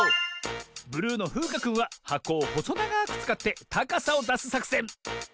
ブルーのふうかくんははこをほそながくつかってたかさをだすさくせん。